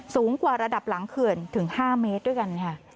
สูงกว่าระดับหลังเขื่อนถึง๕เมตรด้วยกันค่ะ